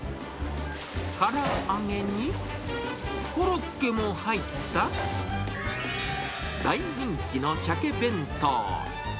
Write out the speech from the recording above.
から揚げに、コロッケも入った、大人気のシャケ弁当。